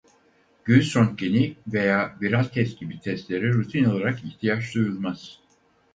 Göğüs röntgeni veya viral test gibi testlere rutin olarak ihtiyaç duyulmaz.